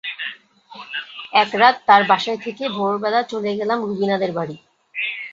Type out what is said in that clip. একরাত তার বাসায় থেকে ভোরবেলা চলে গেলাম রুবিনাদের বাড়ি।